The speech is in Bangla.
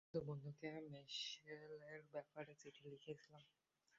শুধু বন্ধুকে মিশেলের ব্যাপারে চিঠি লিখছিলাম।